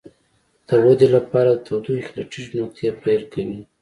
د ودې لپاره د تودوخې له ټیټې نقطې پیل کوي.